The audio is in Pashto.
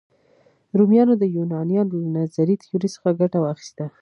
رومیانو د یونانیانو له نظري تیوري څخه ګټه واخیسته.